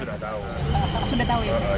sudah tahu ya